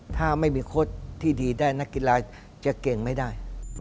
ถ้าไม่มีโค้ดที่ดีได้นักกีฬาจะเก่งไม่ได้